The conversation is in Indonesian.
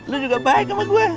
lo juga baik sama gue